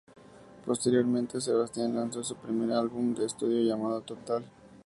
Posteriormente, SebastiAn lanzó su primer álbum de estudio llamado "Total".